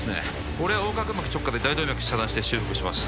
俺は横隔膜直下で大動脈遮断して修復します